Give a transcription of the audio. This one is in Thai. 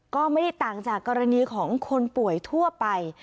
ก็ไม่ได้ต่างจากกรณีของคนป่วยทั่วไป